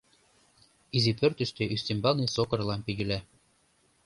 Изи пӧртыштӧ ӱстембалне сокыр лампе йӱла.